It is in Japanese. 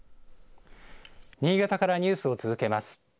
新潟からニュースを続けます。